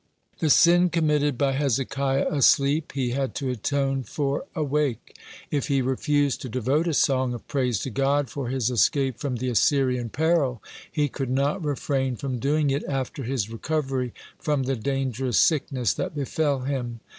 (70) The sin committed by Hezekiah asleep, he had to atone for awake. If he refused to devote a song of praise to God for his escape from the Assyrian peril, he could not refrain from doing it after his recovery from the dangerous sickness that befell him.